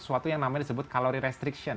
suatu yang namanya disebut kalori restriction